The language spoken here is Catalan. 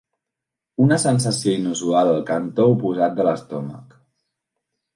Una sensació inusual al cantó oposat de l'estómac.